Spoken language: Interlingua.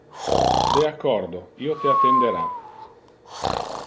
De accordo, io te attendera.